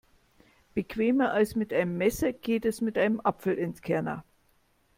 Bequemer als mit einem Messer geht es mit einem Apfelentkerner.